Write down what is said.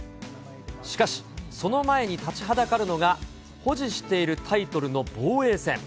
しかし、その前に立ちはだかるのが、保持しているタイトルの防衛戦。